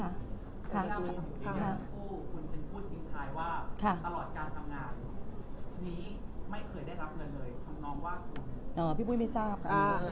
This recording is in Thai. คุณคุณพูดสิ้นท้ายว่าตลอดการทำงานนี้ไม่เคยได้รับเงินเลยคุณน้องว่า